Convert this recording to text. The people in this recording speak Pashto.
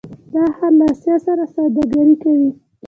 دا ښار له اسیا سره سوداګري کوي.